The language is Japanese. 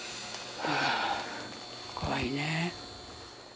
怖いね。